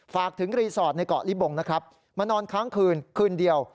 ฝากถึงรีสอร์ทในเกาะลิบงนะครับมานอนค้างคืนคืนเดียว